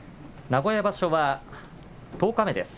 名古屋場所は十日目です。